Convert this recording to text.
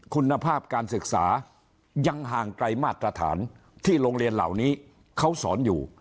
คุณภาพการศึกษายังห่างไกลมาตรฐานที่โรงเรียนเหล่านี้เขาสอนอยู่